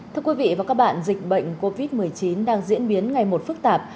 thưa quý vị và các bạn dịch bệnh covid một mươi chín đang diễn biến ngày một phức tạp